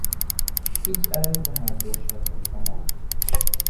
هیچ ئایەت نەهات بۆ شای پڕ کەماڵ